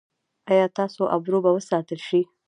ایا ستاسو ابرو به وساتل شي؟